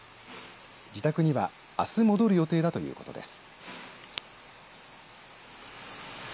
自宅にはあす戻る予定だということです。